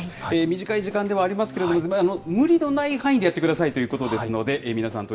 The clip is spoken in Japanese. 短い時間ではありますけれども、無理のない範囲でやってくださいということですので、皆さん、取